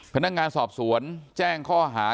พนักงานสอบสวนแจ้งข้อหา